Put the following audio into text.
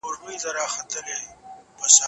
یوه پوښتنه له بلې پرته نیمګړې ده.